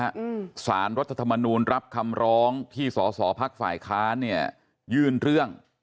อืมสารรัฐธรรมนูลรับคำร้องที่สอสอพักฝ่ายค้านเนี่ยยื่นเรื่อง